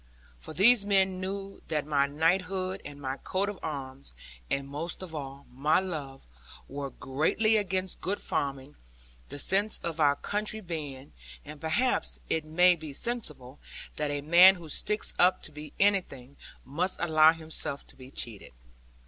For these men knew that my knighthood, and my coat of arms, and (most of all) my love, were greatly against good farming; the sense of our country being and perhaps it may be sensible that a man who sticks up to be anything, must allow himself to be cheated.